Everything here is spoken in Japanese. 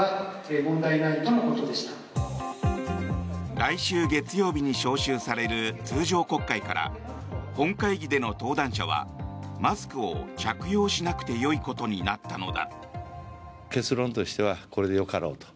来週月曜日に召集される通常国会から本会議での登壇者はマスクを着用しなくてよいことになったのだ。